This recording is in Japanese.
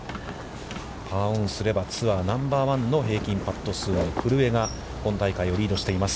パーオンすれば、ツアーナンバーワンの平均パット数に古江が今大会をリードしています。